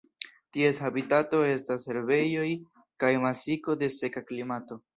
Ties habitato estas herbejoj kaj makiso de seka klimato.